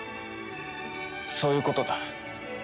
そういうことだ。